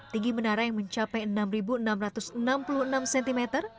tinggi menara yang mencapai enam enam ratus enam puluh enam cm